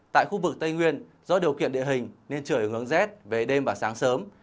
tại khu vực tây nguyên do điều kiện địa hình nên trời hướng rét về đêm và sáng sớm